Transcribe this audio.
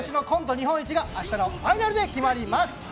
日本一が明日のファイナルで決まります。